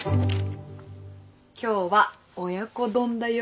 今日は親子丼だよ。